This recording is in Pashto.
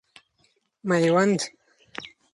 میوند